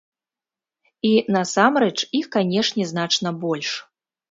І, насамрэч, іх, канешне, значна больш.